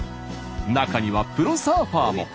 中にはプロサーファーも。